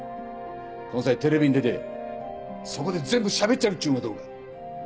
この際テレビん出てそこで全部しゃべっちゃるっちゅうんはどうか。